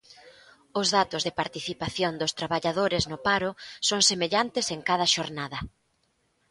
Os datos de participación dos traballadores no paro son semellantes en cada xornada.